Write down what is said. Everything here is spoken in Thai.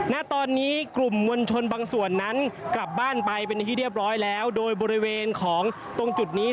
ณตอนนี้กลุ่มมวลชนบางส่วนนั้นกลับบ้านไปเป็นที่เรียบร้อยแล้วโดยบริเวณของตรงจุดนี้